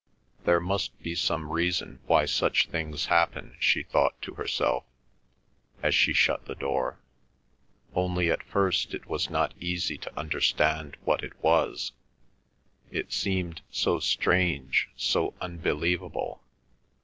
There must be some reason why such things happen, she thought to herself, as she shut the door. Only at first it was not easy to understand what it was. It seemed so strange—so unbelievable.